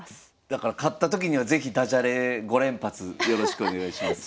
だから勝ったときには是非ダジャレ５連発よろしくお願いします。